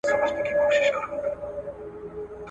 په څه هیلو درته راغلم څه خُمار درڅخه ځمه ..